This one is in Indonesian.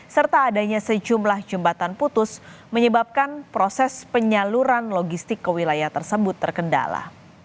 serta adanya sejumlah jembatan putus menyebabkan proses penyaluran logistik ke wilayah tersebut terkendala